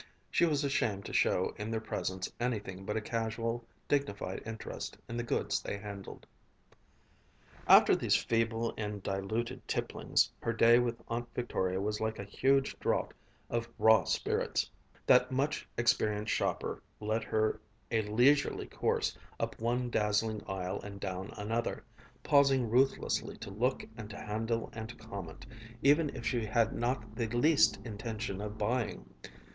She was ashamed to show in their presence anything but a casual, dignified interest in the goods they handled. After these feeble and diluted tipplings, her day with Aunt Victoria was like a huge draught of raw spirits. That much experienced shopper led her a leisurely course up one dazzling aisle and down another, pausing ruthlessly to look and to handle and to comment, even if she had not the least intention of buying.